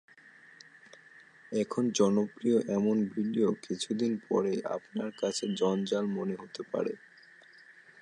এখন জনপ্রিয় এমন টিভিও কিছুদিন পরই আপনার কাছে জঞ্জাল মনে হতে পারে।